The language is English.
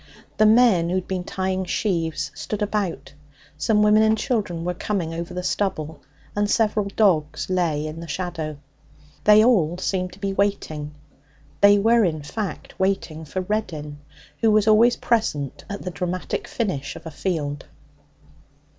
The men who had been tying sheaves stood about, some women and children were coming over the stubble, and several dogs lay in the shadow. They all seemed to be waiting. They were, in fact, waiting for Reddin, who was always present at the dramatic finish of a field.